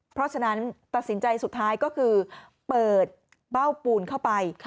เพราะฉะนั้นตัดสินใจสุดท้ายก็คือเปิดเบ้าปูนเข้าไป